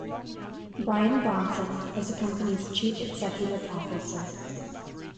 Brian Bronson is the company's chief executive officer.